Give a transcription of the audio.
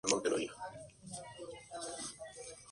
Su sepelio fue sencillo pero emotivo.